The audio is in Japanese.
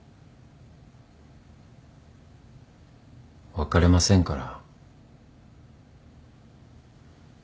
別れませんから。